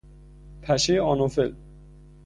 پشه آنوفل